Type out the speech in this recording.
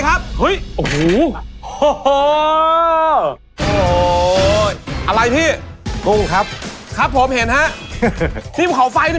คุณพี่ไม่ดูเลย